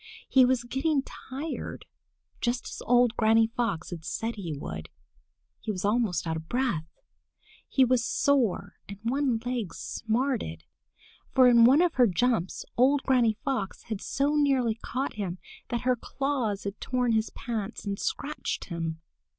He was getting tired, just as old Granny Fox had said he would. He was almost out of breath. He was sore and one leg smarted, for in one of her jumps old Granny Fox had so nearly caught him that her claws had torn his pants and scratched him.